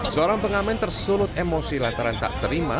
seorang pengamen tersulut emosi lantaran tak terima